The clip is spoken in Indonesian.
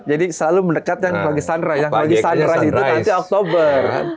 jadi selalu mendekat yang lagi sunrise yang lagi sunrise itu nanti oktober